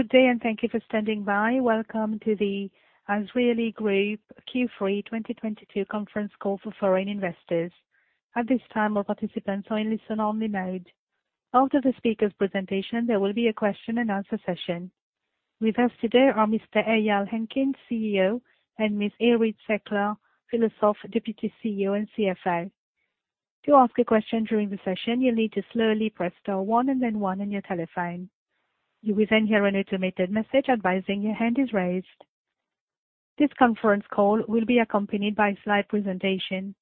Good day, thank you for standing by. Welcome to the Azrieli Group Q3 2022 conference call for foreign investors. At this time, all participants are in listen-only mode. After the speakers' presentation, there will be a question-and-answer session. With us today are Mr. Eyal Henkin, CEO, and Ms. Irit Sekler-Pilosof, Deputy CEO and CFO. To ask a question during the session, you'll need to slowly press star one and then one on your telephone. You will hear an automated message advising your hand is raised. This conference call will be accompanied by a slide presentation.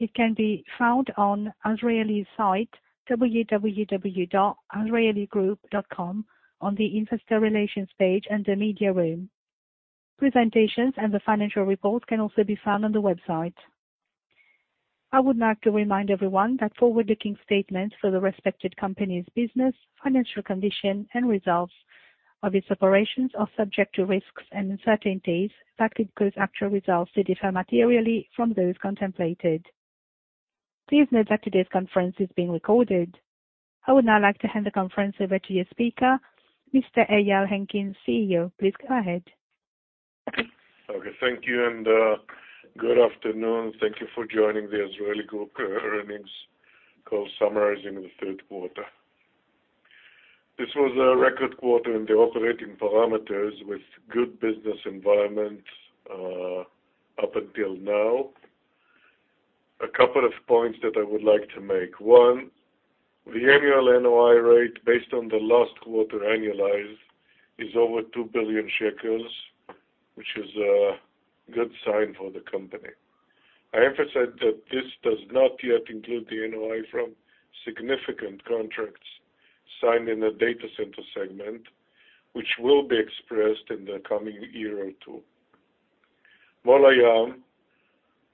It can be found on Azrieli site, www.azrieligroup.com on the investor relations page and the media room. Presentations and the financial report can also be found on the website. I would like to remind everyone that forward-looking statements for the respected company's business, financial condition, and results of its operations are subject to risks and uncertainties that could cause actual results to differ materially from those contemplated. Please note that today's conference is being recorded. I would now like to hand the conference over to your speaker, Mr. Eyal Henkin, CEO. Please go ahead. Okay. Thank you, and good afternoon. Thank you for joining the Azrieli Group earnings call summarizing the third quarter. This was a record quarter in the operating parameters with good business environment up until now. A couple of points that I would like to make. One, the annual NOI rate based on the last quarter annualized is over 2 billion shekels, which is a good sign for the company. I emphasize that this does not yet include the NOI from significant contracts signed in the data center segment, which will be expressed in the coming year or two. Mall Hayam,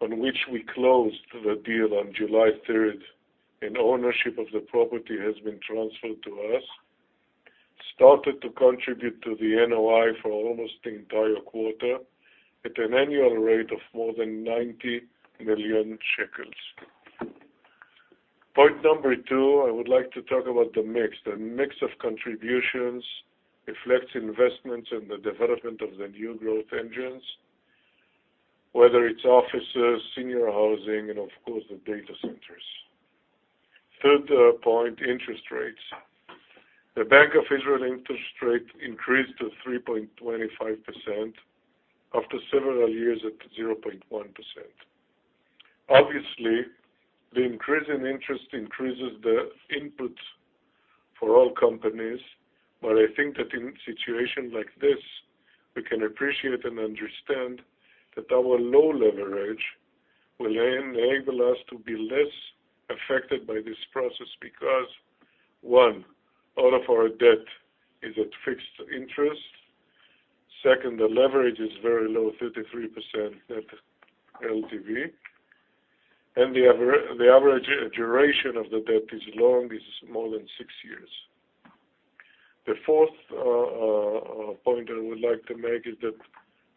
on which we closed the deal on July third, and ownership of the property has been transferred to us, started to contribute to the NOI for almost the entire quarter at an annual rate of more than 90 million shekels. Point number two, I would like to talk about the mix. The mix of contributions reflects investments in the development of the new growth engines, whether it's offices, senior housing, and of course, the data centers. Third point, interest rates. The Bank of Israel interest rate increased to 3.25% after several years at 0.1%. Obviously, the increase in interest increases the inputs for all companies, but I think that in situations like this, we can appreciate and understand that our low leverage will enable us to be less affected by this process. One, all of our debt is at fixed interest. Second, the leverage is very low, 33% LTV. The average duration of the debt is long, is more than 6 years. The 4th point I would like to make is that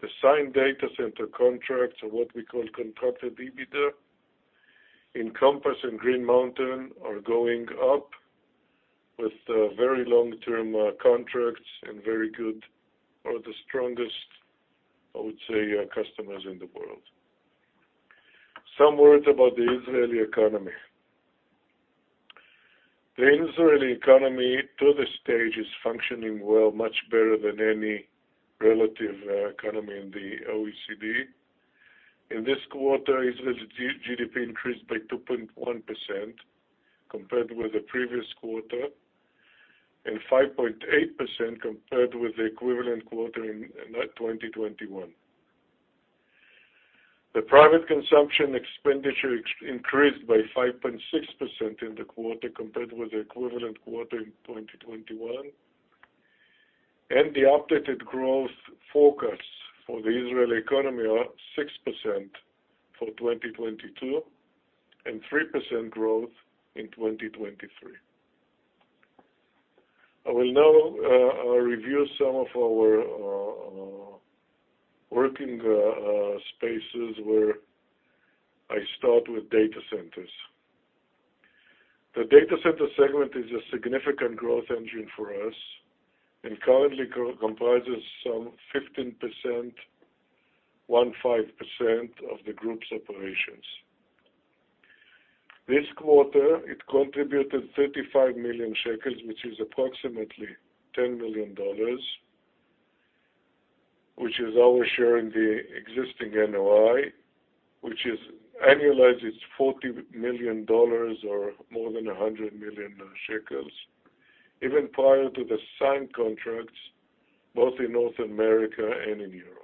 the signed data center contracts are what we call contracted EBITDA. Compass and Green Mountain are going up with very long-term contracts and very good or the strongest, I would say, customers in the world. Some words about the Israeli economy. The Israeli economy to this stage is functioning well, much better than any relative economy in the OECD. In this quarter, Israel's GDP increased by 2.1% compared with the previous quarter, and 5.8% compared with the equivalent quarter in 2021. The private consumption expenditure increased by 5.6% in the quarter compared with the equivalent quarter in 2021. The updated growth forecasts for the Israeli economy are 6% for 2022 and 3% growth in 2023. I will now review some of our working spaces where I start with data centers. The data center segment is a significant growth engine for us and currently co-comprises some 15% of the group's operations. This quarter, it contributed 35 million shekels, which is approximately $10 million, which is our share in the existing NOI, which is annualized, it's $40 million or more than 100 million shekels, even prior to the signed contracts, both in North America and in Europe.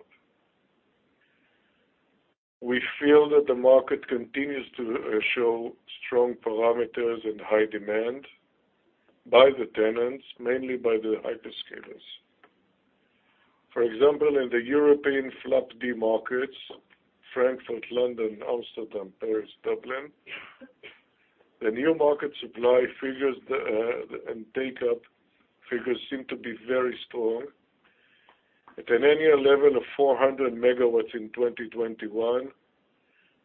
We feel that the market continues to show strong parameters and high demand by the tenants, mainly by the hyperscalers. For example, in the European FLAP D markets, Frankfurt, London, Amsterdam, Paris, Dublin, the new market supply figures, and take-up figures seem to be very strong. At an annual level of 400 MW in 2021,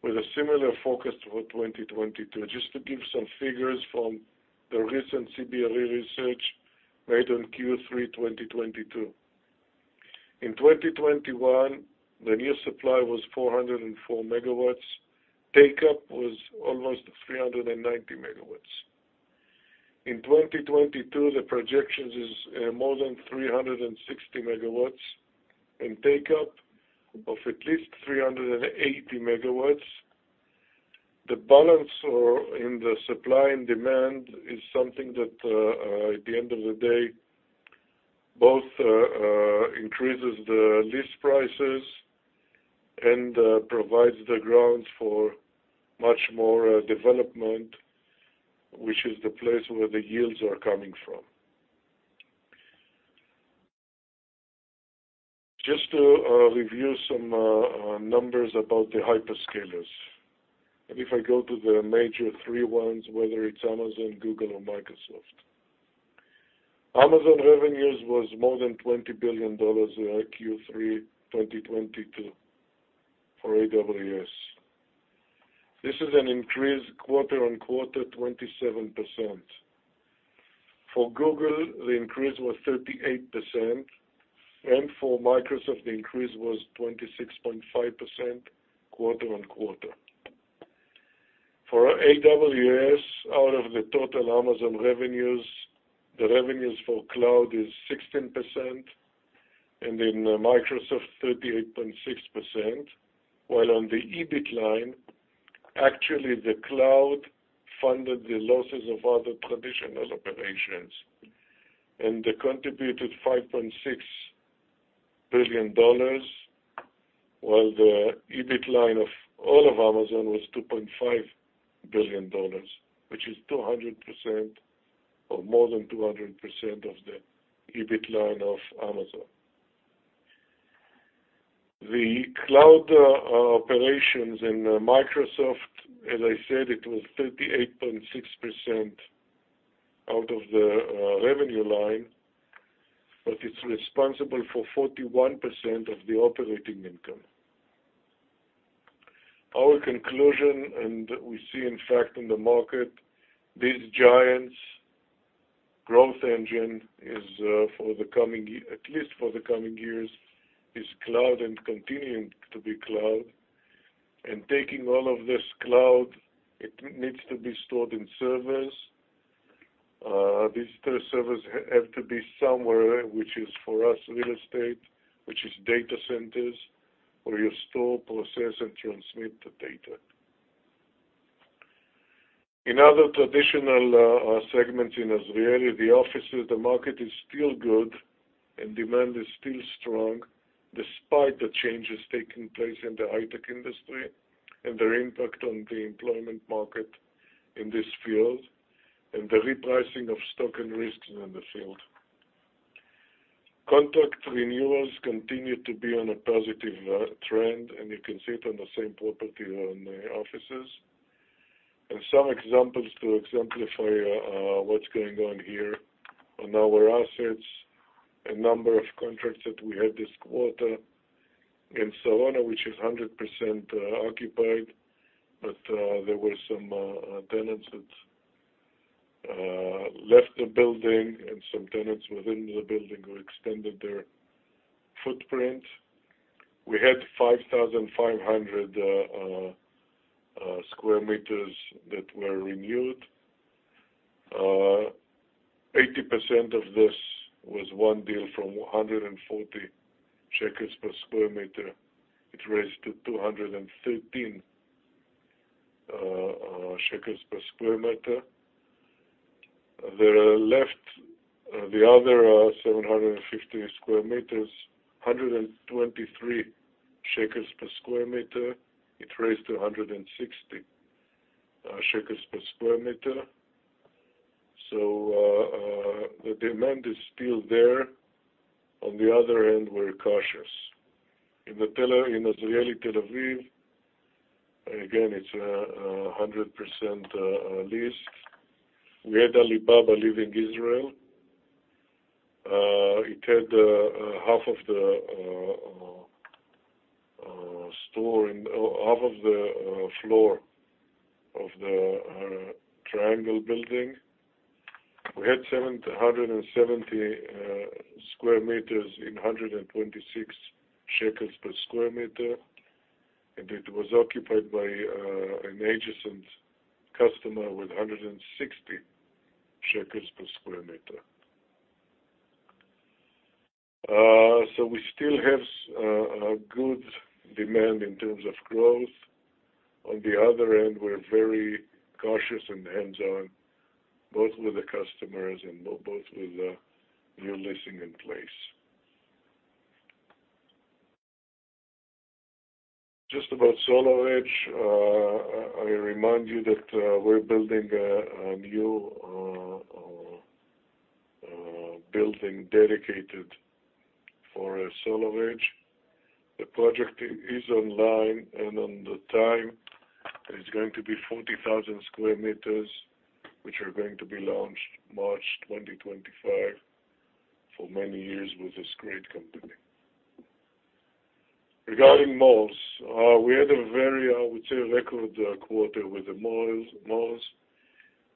with a similar focus for 2022. Just to give some figures from the recent CBRE research made on Q3 2022. In 2021, the new supply was 404 MW. Take-up was almost 390 MW. In 2022, the projections is more than 360 megawatts, and take-up of at least 380 MW. The balance or the supply and demand is something that at the end of the day, both increases the lease prices and provides the grounds for much more development, which is the place where the yields are coming from. Just to review some numbers about the hyperscalers. If I go to the major 3 ones, whether it's Amazon, Google or Microsoft. Amazon revenues was more than $20 billion in Q3 2022 for AWS. This is an increase quarter-on-quarter, 27%. For Google, the increase was 38%, and for Microsoft, the increase was 26.5% quarter-on-quarter. For AWS, out of the total Amazon revenues, the revenues for cloud is 16%. Then, Microsoft, 38.6%. While on the EBIT line, actually, the cloud funded the losses of other traditional operations, and they contributed $5.6 billion, while the EBIT line of all of Amazon was $2.5 billion, which is 200% or more than 200% of the EBIT line of Amazon. The cloud operations in Microsoft, as I said, it was 38.6% out of the revenue line, but it's responsible for 41% of the operating income. Our conclusion, we see in fact in the market, these giants' growth engine is for the coming years, is cloud and continuing to be cloud. Taking all of this cloud, it needs to be stored in servers. These three servers have to be somewhere, which is, for us, real estate, which is data centers where you store, process, and transmit the data. In other traditional segments in Azrieli, the offices, the market is still good and demand is still strong, despite the changes taking place in the high-tech industry and their impact on the employment market in this field and the repricing of stock and risks in the field. Contract renewals continue to be on a positive trend, and you can see it on the same property on the offices. Some examples to exemplify what's going on here. On our assets, a number of contracts that we had this quarter in Sarona, which is 100% occupied, but there were some tenants that left the building and some tenants within the building who extended their footprint. We had 5,500 square meters that were renewed. 80% of this was 1 deal from 140 shekels per square meter. It raised to 213 shekels per square meter. The left, the other, 750 square meters, 123 shekels per square meter. It raised to 160 shekels per square meter. The demand is still there. On the other end, we're cautious. In Azrieli, Tel Aviv, again, it's 100% leased. We had Alibaba leaving Israel. It had half of the floor of the triangle building. We had 170 square meters in 126 shekels per square meter, and it was occupied by an adjacent customer with 160 shekels per square meter. We still have a good demand in terms of growth. On the other end, we're very cautious and hands-on, both with the customers and both with the new leasing in place. Just about SolarEdge, I remind you that we're building a new building dedicated for SolarEdge. The project is online and on the time. It's going to be 40,000 sq m, which are going to be launched March 2025 for many years with this great company. Malls, we had a very, I would say, record quarter with the malls.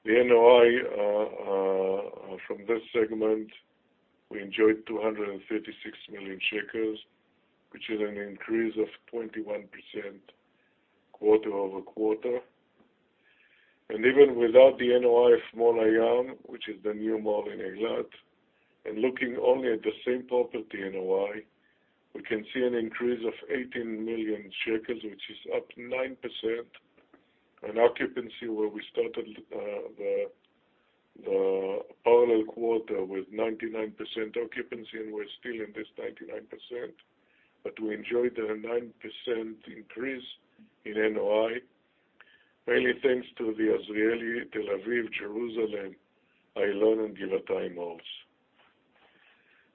The NOI from this segment, we enjoyed 236 million shekels, which is an increase of 21% quarter-over-quarter. Even without the NOI of Mall Hayam, which is the new mall in Eilat, and looking only at the same property NOI, we can see an increase of 18 million shekels, which is up 9%, and occupancy where we started the parallel quarter with 99% occupancy, and we're still in this 99%. We enjoyed a 9% increase in NOI, mainly thanks to the Azrieli Tel Aviv, Jerusalem, Ayalon and Givatayim malls.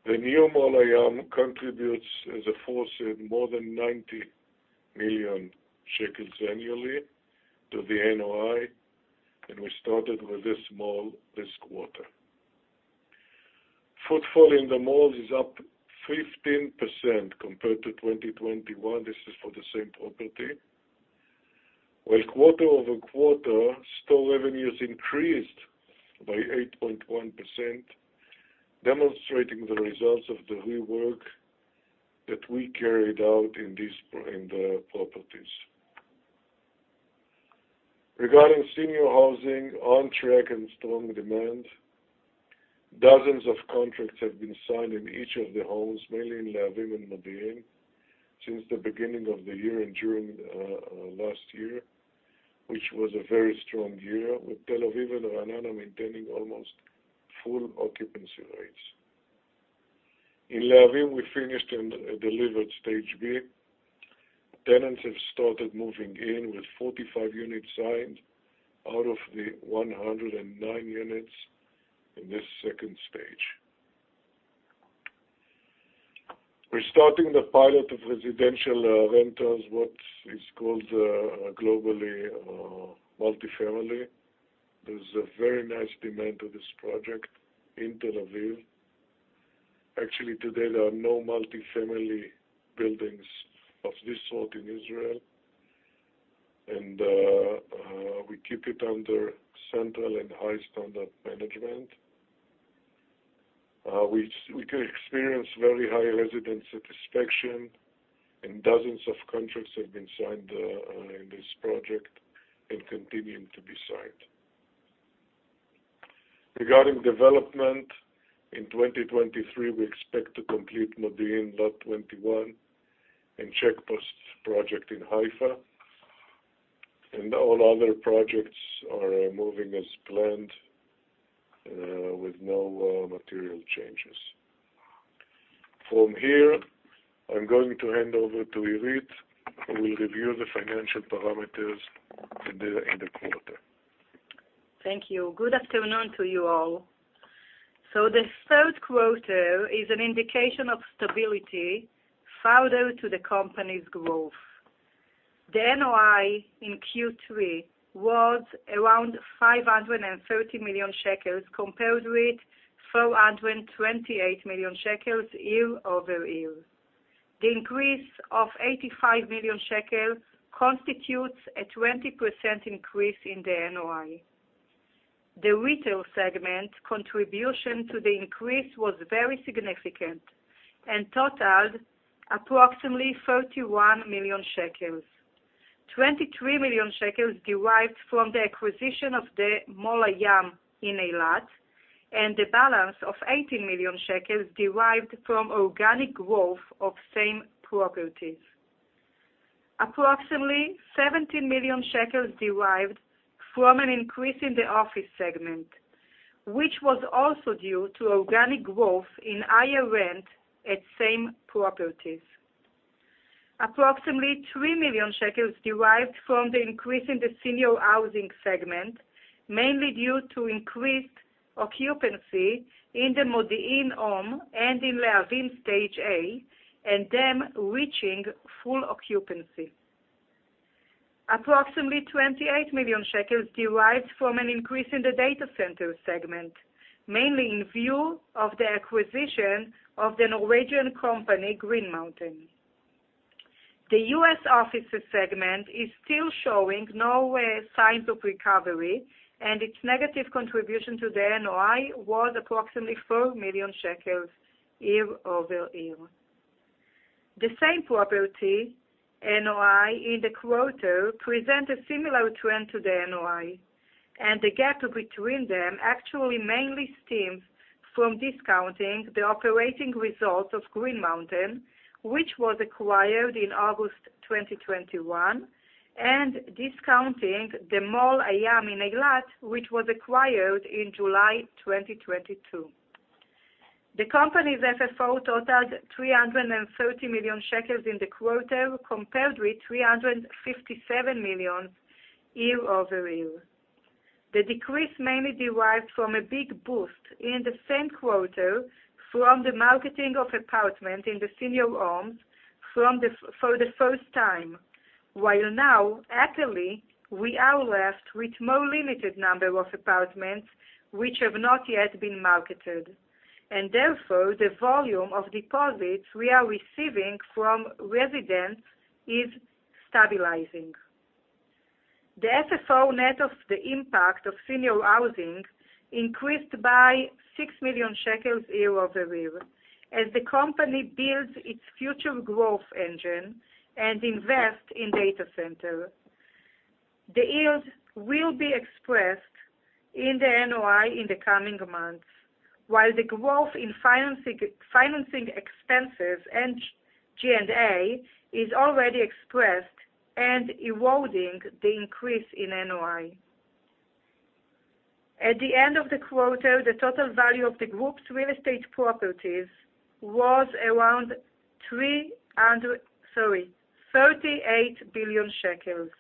The new Mall Hayam contributes as a force in more than 90 million shekels annually to the NOI, and we started with this mall this quarter. Footfall in the malls is up 15% compared to 2021. This is for the same property. Quarter-over-quarter, store revenues increased by 8.1%, demonstrating the results of the rework that we carried out in the properties. Regarding senior housing, on track and strong demand. Dozens of contracts have been signed in each of the homes, mainly in Lehavim and Modi'in since the beginning of the year and during last year, which was a very strong year, with Tel Aviv and Ra'anana maintaining almost full occupancy rates. In Lehavim, we finished and delivered stage B. Tenants have started moving in with 45 units signed out of the 109 units in this second stage. We're starting the pilot of residential rentals, what is called globally multifamily. There's a very nice demand to this project in Tel Aviv. Actually, today, there are no multifamily buildings of this sort in Israel, and we keep it under central and high-standard management, which we could experience very high resident satisfaction, and dozens of contracts have been signed in this project and continuing to be signed. Regarding development, in 2023, we expect to complete Modi'in Lot 21 and Checkpost project in Haifa. All other projects are moving as planned, with no material changes. From here, I'm going to hand over to Irit, who will review the financial parameters in the, in the quarter. Thank you. Good afternoon to you all. The third quarter is an indication of stability further to the company's growth. The NOI in Q3 was around 530 million shekels compared with 428 million shekels year-over-year. The increase of 85 million shekels constitutes a 20% increase in the NOI. The retail segment contribution to the increase was very significant and totaled approximately 31 million shekels. 23 million shekels derived from the acquisition of the Mall Hayam in Eilat, and the balance of 18 million shekels derived from organic growth of same properties. Approximately 17 million shekels derived from an increase in the office segment, which was also due to organic growth in higher rent at same properties. Approximately 3 million shekels derived from the increase in the senior housing segment, mainly due to increased occupancy in the Modi'in Home and in Lehavim Stage A, and them reaching full occupancy. Approximately 28 million shekels derived from an increase in the data center segment, mainly in view of the acquisition of the Norwegian company, Green Mountain. The US offices segment is still showing no signs of recovery, and its negative contribution to the NOI was approximately 4 million shekels year-over-year. The same property, NOI, in the quarter present a similar trend to the NOI, and the gap between them actually mainly stems from discounting the operating results of Green Mountain, which was acquired in August 2021, and discounting the Mall Hayam in Eilat, which was acquired in July 2022. The company's FFO totaled 330 million shekels in the quarter, compared with 357 million year-over-year. The decrease mainly derived from a big boost in the same quarter from the marketing of apartment in the senior homes for the first time, while now actively, we are left with more limited number of apartments which have not yet been marketed. Therefore, the volume of deposits we are receiving from residents is stabilizing. The FFO net of the impact of senior housing increased by 6 million shekels year-over-year as the company builds its future growth engine and invest in data center. The yield will be expressed in the NOI in the coming months, while the growth in financing expenses and G&A is already expressed and eroding the increase in NOI. At the end of the quarter, the total value of the group's real estate properties was around 38 billion shekels.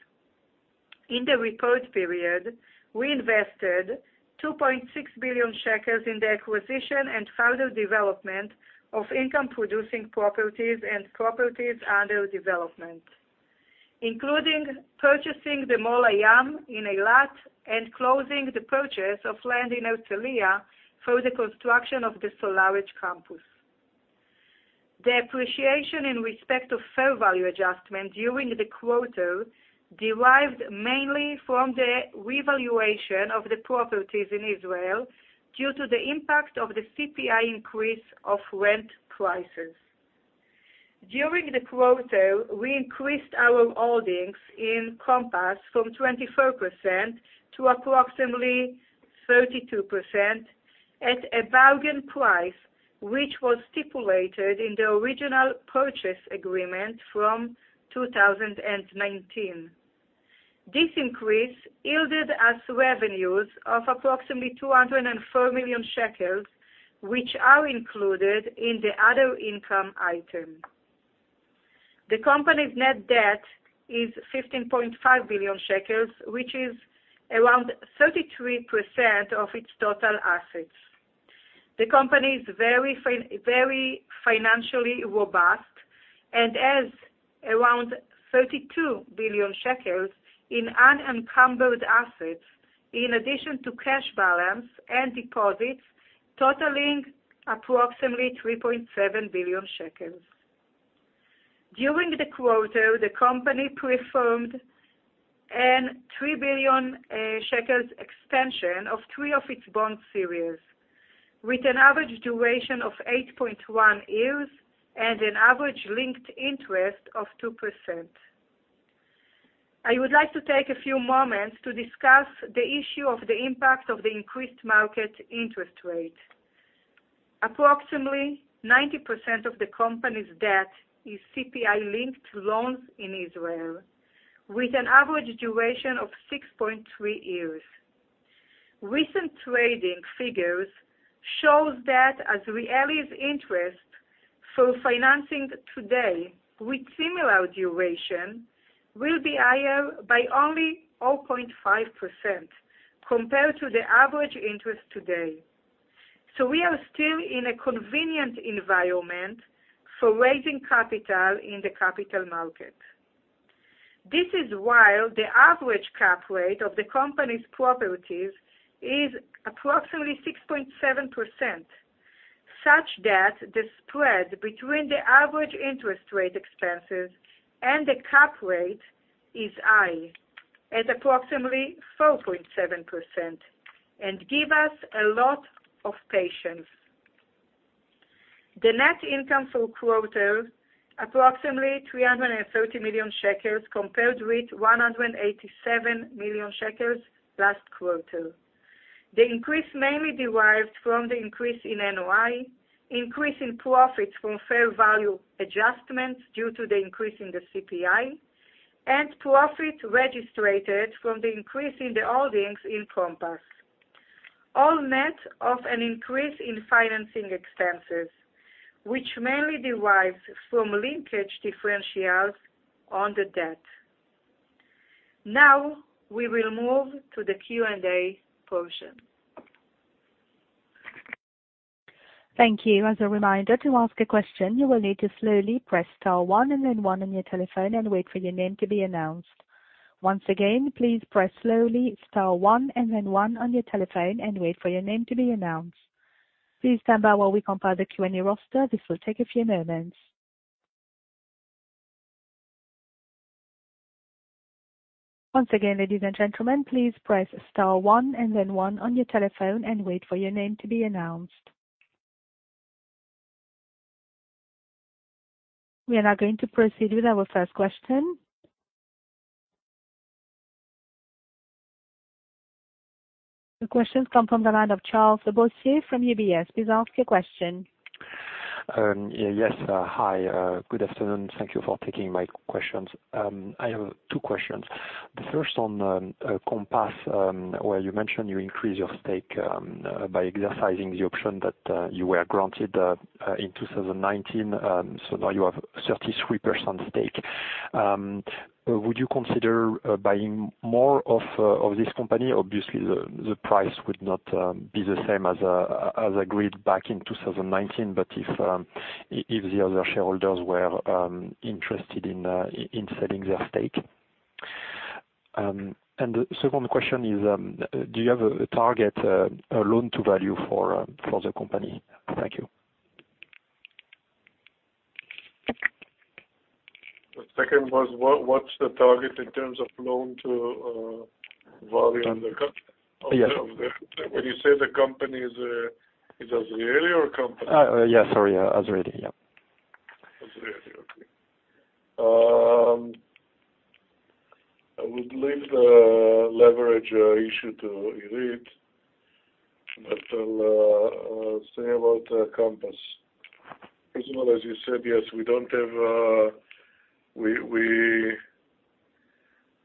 In the report period, we invested 2.6 billion shekels in the acquisition and further development of income-producing properties and properties under development, including purchasing the Mall Hayam in Eilat and closing the purchase of land in Herzliya for the construction of the SolarEdge campus. The appreciation in respect of fair value adjustment during the quarter derived mainly from the revaluation of the properties in Israel due to the impact of the CPI increase of rent prices. During the quarter, we increased our holdings in Compass from 24% to approximately 32% at a bargain price, which was stipulated in the original purchase agreement from 2019. This increase yielded us revenues of approximately 204 million shekels, which are included in the other income item. The company's net debt is 15.5 billion shekels, which is around 33% of its total assets. The company is very financially robust and has around 32 billion shekels in unencumbered assets, in addition to cash balance and deposits totaling approximately 3.7 billion shekels. During the quarter, the company performed an 3 billion shekels expansion of three of its bond series, with an average duration of 8.1 years and an average linked interest of 2%. I would like to take a few moments to discuss the issue of the impact of the increased market interest rate. Approximately 90% of the company's debt is CPI-linked loans in Israel, with an average duration of 6.3 years. Recent trading figures shows that Azrieli's interest for financing today with similar duration will be higher by only 0.5% compared to the average interest today. We are still in a convenient environment for raising capital in the capital market. This is while the average cap rate of the company's properties is approximately 6.7%, such that the spread between the average interest rate expenses and the cap rate is high, at approximately 4.7%, and give us a lot of patience. The net income for quarter, approximately 330 million shekels compared with 187 million shekels last quarter. The increase mainly derived from the increase in NOI, increase in profits from fair value adjustments due to the increase in the CPI, and profit registered from the increase in the holdings in Compass. All net of an increase in financing expenses, which mainly derives from linkage differentials on the debt. We will move to the Q&A portion. Thank you. As a reminder, to ask a question, you will need to slowly press star one and then one on your telephone and wait for your name to be announced. Once again, please press slowly star one and then one on your telephone and wait for your name to be announced. Please stand by while we compile the Q&A roster. This will take a few moments. Once again, ladies and gentlemen, please press star one and then one on your telephone and wait for your name to be announced. We are now going to proceed with our first question. The question comes from the line of Charles Boissier from UBS. Please ask your question. Yes. Hi, good afternoon. Thank you for taking my questions. I have two questions. The first on Compass, where you mentioned you increased your stake by exercising the option that you were granted in 2019, so now you have 33% stake. Would you consider buying more of this company? Obviously, the price would not be the same as agreed back in 2019. If the other shareholders were interested in selling their stake. The second question is, do you have a target loan to value for the company? Thank you. The second was what's the target in terms of loan to value? Yes. When you say the company is Azrieli or Compass? Yeah, sorry. Azrieli, yeah. Azrieli. Okay. I would leave the leverage issue to Irit, I'll say about Compass. First of all, as you said, yes, we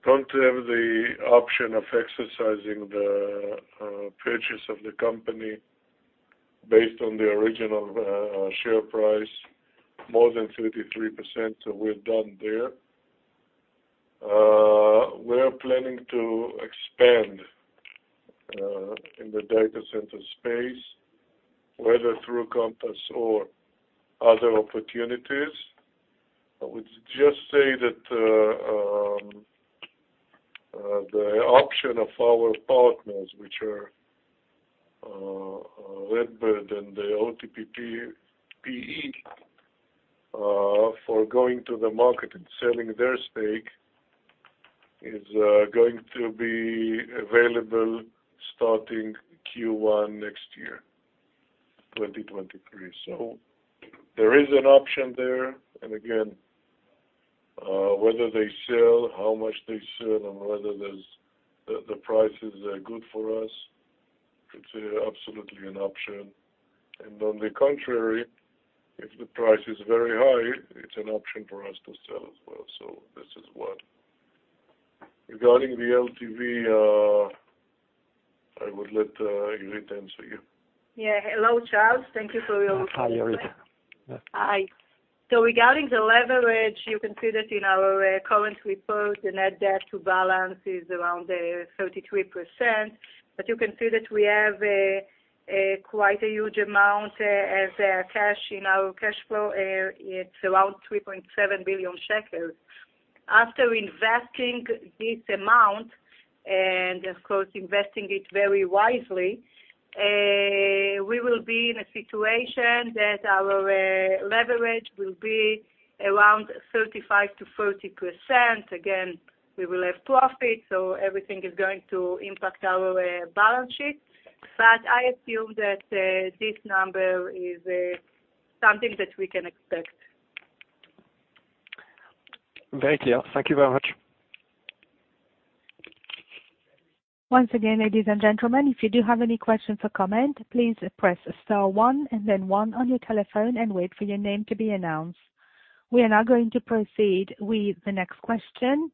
don't have the option of exercising the purchase of the company based on the original share price, more than 33%, we're done there. We're planning to expand in the data center space, whether through Compass or other opportunities. I would just say that the option of our partners, which are RedBird and the OTPP, PE, for going to the market and selling their stake is going to be available starting Q1 next year, 2023. There is an option there, again, whether they sell, how much they sell, and whether the price is good for us, it's absolutely an option. On the contrary, if the price is very high, it's an option for us to sell as well. This is what. Regarding the LTV, I would let Irit answer you. Yeah. Hello, Charles. Thank you for your question. Hi, Irit. Yeah. Hi. Regarding the leverage, you can see that in our current report, the net debt to balance is around 33%. You can see that we have quite a huge amount as a cash in our cash flow. It's around 3.7 billion shekels. After investing this amount, and of course, investing it very wisely, we will be in a situation that our leverage will be around 35%-40%. Again, we will have profit, so everything is going to impact our balance sheet. I assume that this number is something that we can expect. Very clear. Thank you very much. Once again, ladies and gentlemen, if you do have any questions or comment, please press star one and then one on your telephone and wait for your name to be announced. We are now going to proceed with the next question.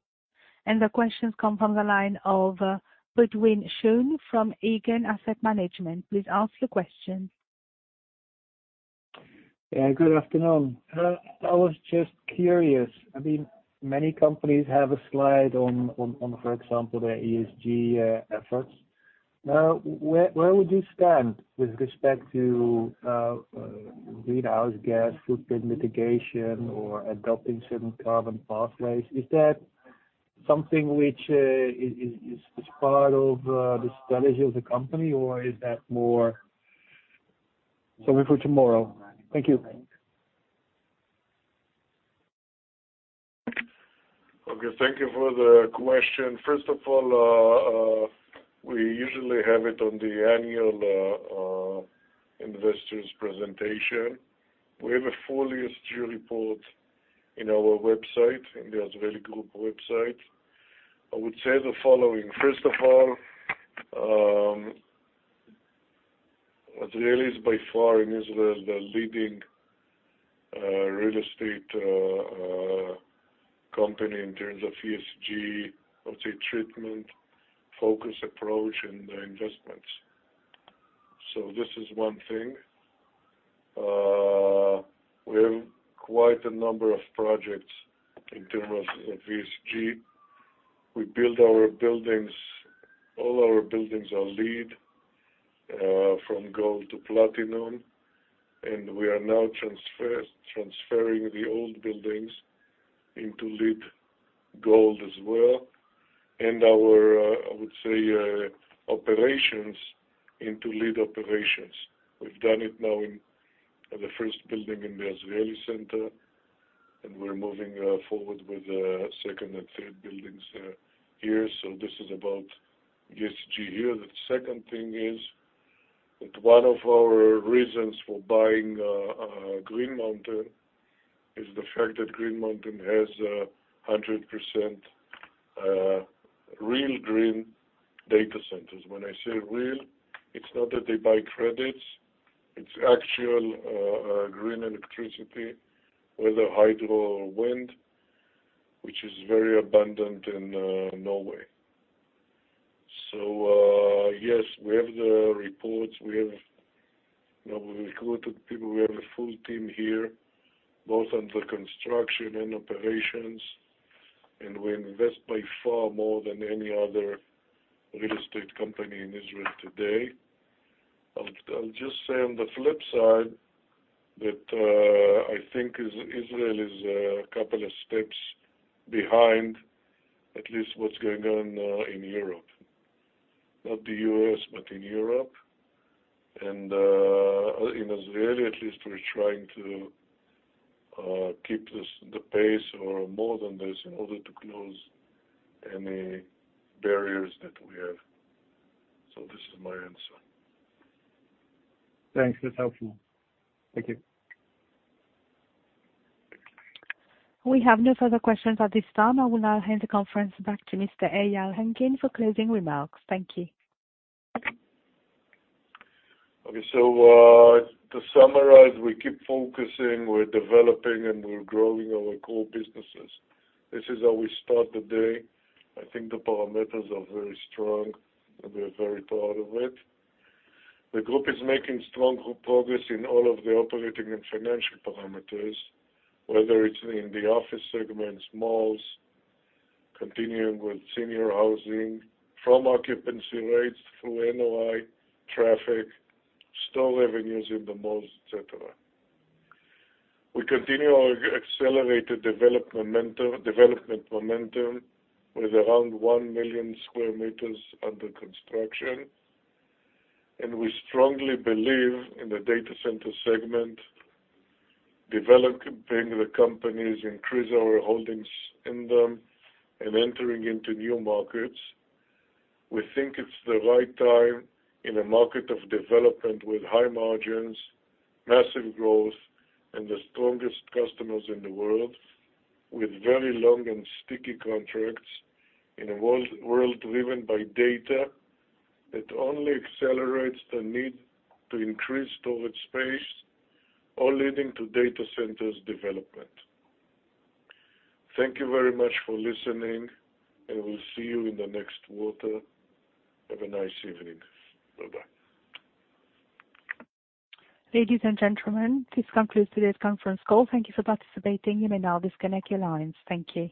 The question comes from the line of Boudewijn Schoon from Aegon Asset Management. Please ask the question. Yeah, good afternoon. I was just curious. I mean, many companies have a slide on, for example, their ESG efforts. Where would you stand with respect to greenhouse gas footprint mitigation or adopting certain carbon pathways? Is that something which is part of the strategy of the company, or is that more something for tomorrow? Thank you. Okay. Thank you for the question. First of all, we usually have it on the annual investors presentation. We have a full ESG report in our website, in the Azrieli Group website. I would say the following. First of all, Azrieli is by far in Israel, the leading real estate company in terms of ESG, I'll say treatment, focus approach in the investments. This is one thing. We have quite a number of projects in terms of ESG. We build our buildings, all our buildings are LEED, from gold to platinum, and we are now transferring the old buildings into LEED gold as well, and our, I would say, operations into LEED operations. We've done it now in the first building in the Azrieli Center. We're moving forward with the second and third buildings here. This is about ESG here. The second thing is that one of our reasons for buying Green Mountain is the fact that Green Mountain has 100% real green data centers. When I say real, it's not that they buy credits, it's actual green electricity, whether hydro or wind, which is very abundant in Norway. Yes, we have the reports. We have, you know, we recruited people. We have a full team here, both under construction and operations. We invest by far more than any other real estate company in Israel today. I'll just say on the flip side that I think Israel is a couple of steps behind at least what's going on in Europe. Not the US, but in Europe. In Israel, at least we're trying to keep the pace or more than this in order to close any barriers that we have. This is my answer. Thanks. That's helpful. Thank you. We have no further questions at this time. I will now hand the conference back to Mr. Eyal Henkin for closing remarks. Thank you. Okay. To summarize, we keep focusing, we're developing, and we're growing our core businesses. This is how we start the day. I think the parameters are very strong, and we are very proud of it. The group is making strong progress in all of the operating and financial parameters, whether it's in the office segments, malls, continuing with senior housing, from occupancy rates through NOI, traffic, store revenues in the malls, et cetera. We continue our accelerated development momentum with around 1 million square meters under construction, and we strongly believe in the data center segment, developing the companies, increase our holdings in them, and entering into new markets. We think it's the right time in a market of development with high margins, massive growth, and the strongest customers in the world, with very long and sticky contracts in a world driven by data that only accelerates the need to increase storage space, all leading to data centers development. Thank you very much for listening. We'll see you in the next quarter. Have a nice evening. Bye-bye. Ladies and gentlemen, this concludes today's conference call. Thank you for participating. You may now disconnect your lines. Thank you.